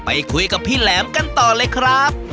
ไปคุยกับพี่แหลมกันต่อเลยครับ